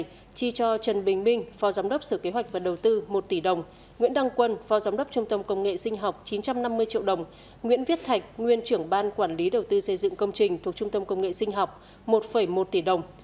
trần bình minh phó giám đốc sở kế hoạch và đầu tư một tỷ đồng nguyễn đăng quân phó giám đốc trung tâm công nghệ sinh học chín trăm năm mươi triệu đồng nguyễn viết thạch nguyên trưởng ban quản lý đầu tư xây dựng công trình thuộc trung tâm công nghệ sinh học một một tỷ đồng